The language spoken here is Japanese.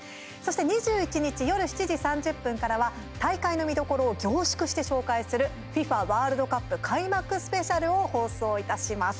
２１日夜７時３０分からは大会の見どころを凝縮して紹介する「ＦＩＦＡワールドカップ開幕スペシャル」を放送いたします。